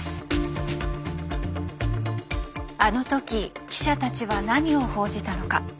あの時記者たちは何を報じたのか。